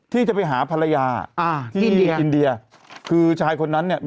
ที่จะไปหาภรรยาอ่าที่อินเดียคือชายคนนั้นเนี่ย